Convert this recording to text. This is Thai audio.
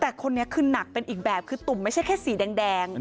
แต่คนนี้คือหนักเป็นอีกแบบคือตุ่มไม่ใช่แค่สีแดง